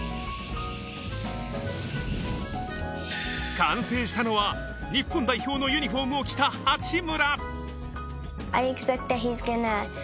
完成したのは、日本代表のユニフォームを着た八村。